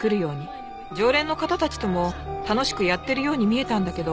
常連の方たちとも楽しくやってるように見えたんだけど。